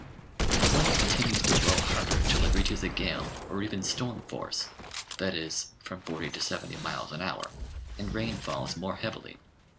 The wind continues to blow harder till it reaches a gale, or even storm force, that is, from forty to seventy miles an hour, and rain falls more heavily.